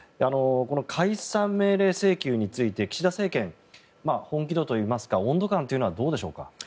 解散命令請求について岸田政権の本気度といいますか温度感はどうでしょうか。